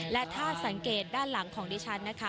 และถ้าสังเกตด้านหลังของดิฉันนะคะ